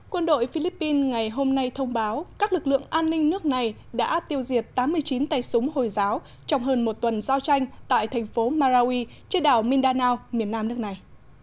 quân đội philippines ngày hôm nay thông báo các lực lượng an ninh nước này đã tiêu diệt tám mươi chín tay súng hồi giáo trong hơn một tuần giao tranh tại thành phố marawi trên đảo mindanao miền nam nước này